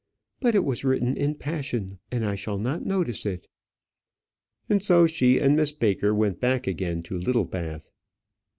"But it was written in passion, and I shall not notice it." And so she and Miss Baker went back again to Littlebath.